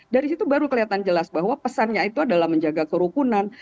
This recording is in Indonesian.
dari situ baru kelihatan jelas bahwa pesannya itu adalah menjaga kerukunan